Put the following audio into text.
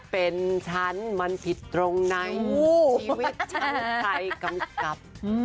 เป็นฉันมันผิดตรงไหนชีวิตฉันใครกำกับ